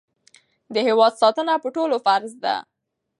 د هېواد ساتنه په ټولو فرض ده.